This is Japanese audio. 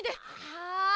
はい！